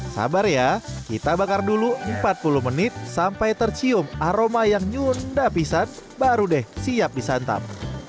sabar ya kita bakar dulu empat puluh menit sampai tercium aroma yang nyunda pisan baru deh siap disantap